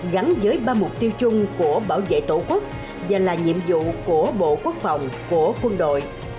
gắn với ba mục tiêu chung của bảo vệ tổ quốc và là nhiệm vụ của bộ quốc phòng của quân đội